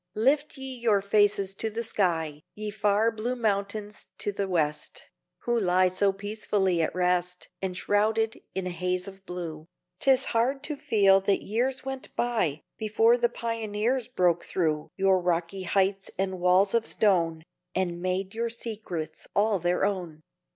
Lift ye your faces to the sky Ye far blue mountains of the West, Who lie so peacefully at rest Enshrouded in a haze of blue; 'Tis hard to feel that years went by Before the pioneers broke through Your rocky heights and walls of stone, And made your secrets all their own.